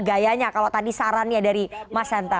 gayanya kalau tadi sarannya dari mas hanta